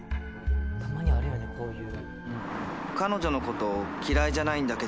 たまにあるよねこういう。